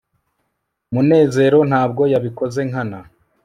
munezero ntabwo yabikoze nkana